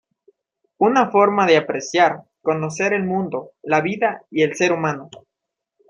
Una forma de apreciar, conocer el mundo, la vida y el ser humano.